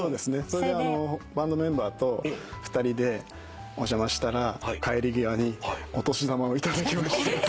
それでバンドメンバーと２人でお邪魔したら帰り際にお年玉を頂きました。